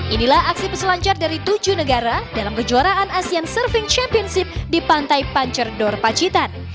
inilah aksi peselancar dari tujuh negara dalam kejuaraan asean surfing championship di pantai pancerdor pacitan